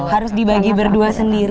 harus dibagi berdua sendiri